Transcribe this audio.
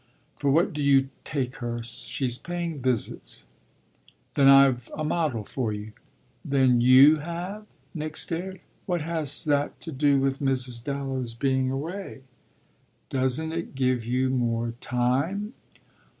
"For what do you take her? She's paying visits." "Then I've a model for you." "Then you have ?" Nick stared. "What has that to do with Mrs. Dallow's being away?" "Doesn't it give you more time?"